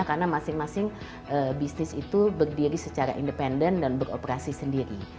karena masing masing bisnis itu berdiri secara independen dan beroperasi sendiri